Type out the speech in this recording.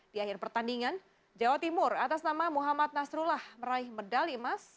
di akhir pertandingan jawa timur atas nama muhammad nasrullah meraih medali emas